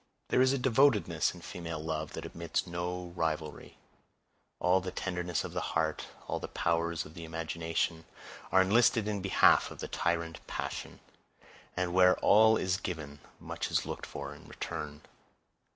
There is a devotedness in female love that admits of no rivalry. All the tenderness of the heart, all the powers of the imagination, are enlisted in behalf of the tyrant passion; and where all is given, much is looked for in return.